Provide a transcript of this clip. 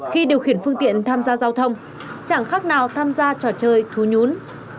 khi điều khiển phương tiện tham gia giao thông chẳng khác nào tham gia trò chơi thú nhún